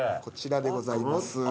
こちらでございます。